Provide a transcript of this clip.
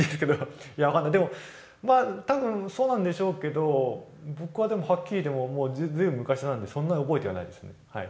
でも多分そうなんでしょうけど僕はでもはっきりでももう随分昔なんでそんな覚えてはないですね。